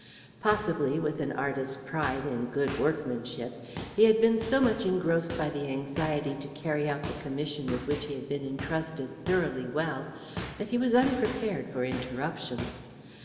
Possibly, with an artist's pride in good workmanship, he had been so much engrossed by the anxiety to carry out the commission with which he had been entrusted thoroughly well, that he was unprepared for interruptions.